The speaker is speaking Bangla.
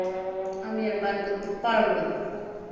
আমি আর ভান করতে পারব না।